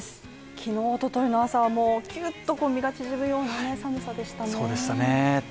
昨日一昨日の朝はもうきっと身が縮むような寒さでしたね